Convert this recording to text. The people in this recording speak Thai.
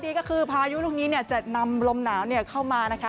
ข้อดีก็คือพายุลุกนี้จะนำลมหนาวเข้ามา